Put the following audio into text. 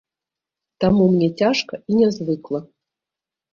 Таму мне цяжка і нязвыкла.